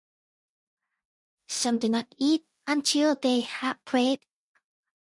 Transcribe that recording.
Some do not eat until they have prayed.